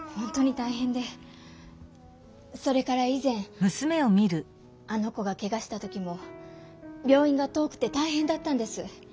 それから以前あの子がケガしたときも病院が遠くてたいへんだったんです。